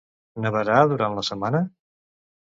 Nevarà durant la setmana?